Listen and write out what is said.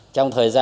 trong thời gian